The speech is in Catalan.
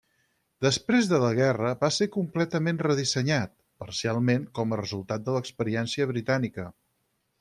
Després de la guerra va ser completament redissenyat, parcialment com a resultat de l'experiència britànica.